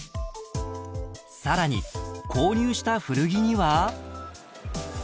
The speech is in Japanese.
［さらに購入した古着には］